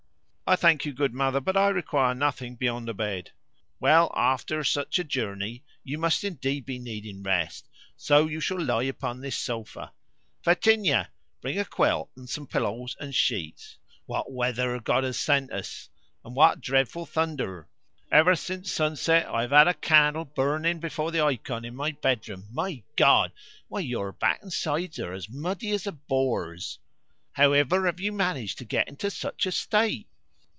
"I thank you, good mother, but I require nothing beyond a bed." "Well, after such a journey you must indeed be needing rest, so you shall lie upon this sofa. Fetinia, bring a quilt and some pillows and sheets. What weather God has sent us! And what dreadful thunder! Ever since sunset I have had a candle burning before the ikon in my bedroom. My God! Why, your back and sides are as muddy as a boar's! However have you managed to get into such a state?"